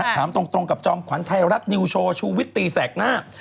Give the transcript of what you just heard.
ถามตรงกับจอมขวัญไทยรัฐนิวโชว์ชูวิตตีแสกหน้า